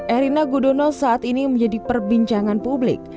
erina gudono saat ini menjadi perbincangan publik